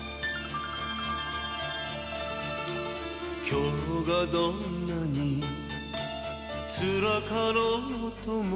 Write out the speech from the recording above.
「今日がどんなにつらかろうとも」